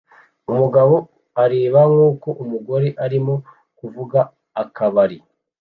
Umugabo areba nkuko umugore arimo kuvuga akabari